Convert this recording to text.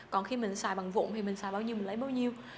còn khi mình xài bằng vụn thì mình xài bao nhiêu mình lấy bao nhiêu